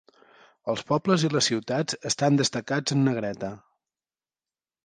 Els pobles i les ciutats estan destacats en negreta.